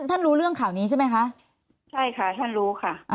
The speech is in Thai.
ท่านรู้เรื่องข่าวนี้ใช่ไหมคะใช่ค่ะท่านรู้ค่ะ